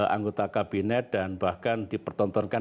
anggota kabinet dan bahkan dipertontonkan